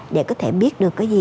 để có thể biết được cái gì